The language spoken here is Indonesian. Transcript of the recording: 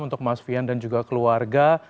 untuk mas fian dan juga keluarga